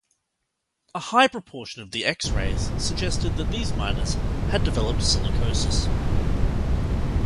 A high proportion of the X-rays suggested that these miners had developed silicosis.